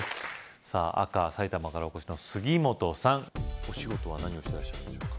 さぁ赤埼玉からお越しの杉本さんお仕事は何をしてらっしゃるんでしょうか？